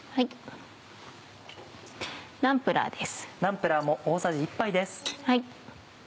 ナンプラーです。